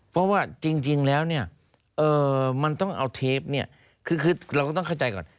เพราะว่าจริงแล้วเนี่ยมันต้องเอาเทปเนี่ยคือเราก็ต้องเข้าใจก่อน